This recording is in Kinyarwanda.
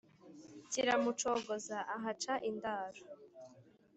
Kiramucogoza ahaca indaro.